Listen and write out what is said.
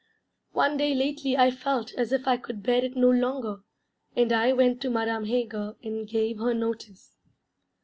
One day lately I felt as if I could bear it no longer _and I went to Madame Heger and gave her notice.